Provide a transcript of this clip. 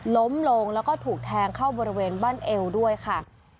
ล้มลงแล้วก็ถูกแทงเข้าบริเวณบ้านเอวด้วยค่ะ